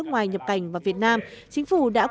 tôi nghĩ sự khác biệt lớn nhất